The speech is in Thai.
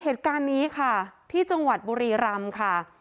เหตุการณ์นี้ค่ะที่จังหวัดบุรีรำค่ะ